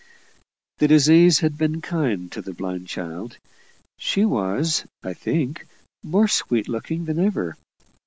The disease had been kind to the blind child; she was, I think, more sweet looking than ever.